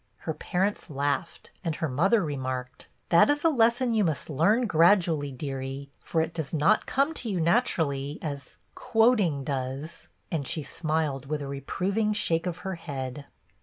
Her parents laughed, and her mother remarked, —" That is a lesson you must learn gradu ally, dearie, for it does not come to you natu rally as — quoting does;" and she smiled with a reproving shake of her head.